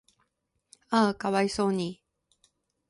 嗚呼可哀想に